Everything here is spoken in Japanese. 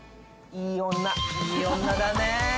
いい女だね。